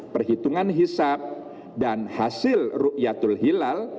perhitungan hisap dan hasil ru'yatul hilal